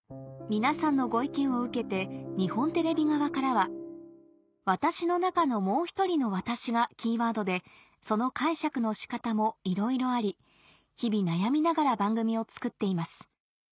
皆さんのご意見を受けて日本テレビ側からは「『私の中のもうひとりのワタシ』がキーワードでその解釈の仕方もいろいろあり日々悩みながら番組を作っています」